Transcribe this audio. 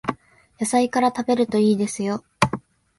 野菜から食べるといいですよ